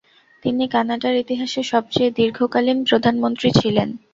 তিনি কানাডার ইতিহাসে সবচেয়ে দীর্ঘকালীন প্রধানমন্ত্রী ছিলেন।